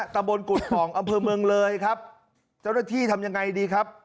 ตะบนกุฎป่องอำเภอเมืองเลยครับเจ้าหน้าที่ทำยังไงดีครับ